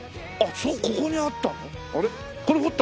あっここにあったの？